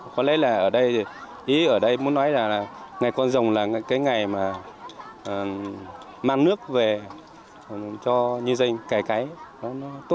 có lẽ là ở đây ý ở đây muốn nói là ngày con dồng là cái ngày mà mang nước về cho nhân dân cải cái nó tốt hơn